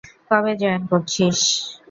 কবে জয়েন করছিস?